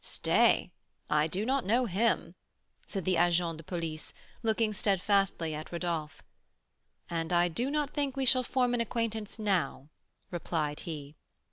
"Stay, I do not know him," said the agent de police, looking steadfastly at Rodolph. "And I do not think we shall form an acquaintance now," replied he.